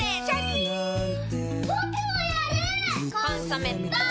「コンソメ」ポン！